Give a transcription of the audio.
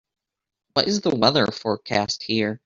What is the weather forecast here